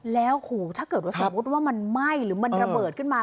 แล้วโหถ้าเกิดว่าสมมุติว่ามันไหม้หรือมันระเบิดขึ้นมา